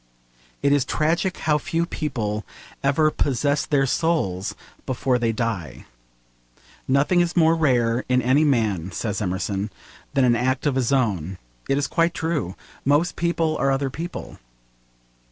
It is tragic how few people ever 'possess their souls' before they die. 'Nothing is more rare in any man,' says Emerson, 'than an act of his own.' It is quite true. Most people are other people.